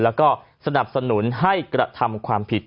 แล้วก็สนับสนุนให้กระทำความผิด